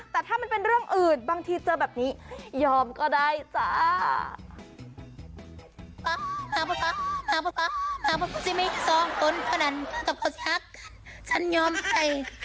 แต่ถ้ามันเป็นเรื่องอื่นบางทีเจอแบบนี้ยอมก็ได้จ้า